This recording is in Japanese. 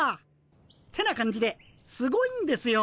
ってな感じですごいんですよ